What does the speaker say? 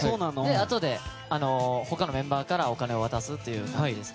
あとで他のメンバーからお金を渡すという感じで。